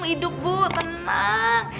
hidup bu tenang